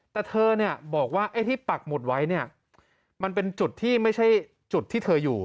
แต่เธอเนี่ยบอกว่าไอ้ที่ปักหมุดไว้เนี่ยมันเป็นจุดที่ไม่ใช่จุดที่เธออยู่